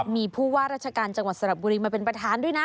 มีผู้ว่าราชการจังหวัดสระบุรีมาเป็นประธานด้วยนะ